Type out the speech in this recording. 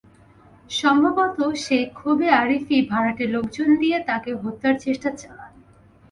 সম্ভবত সেই ক্ষোভে আরিফই ভাড়াটে লোকজন দিয়ে তাঁকে হত্যার চেষ্টা চালান।